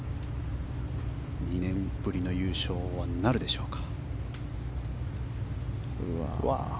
２年ぶりの優勝はなるでしょうか。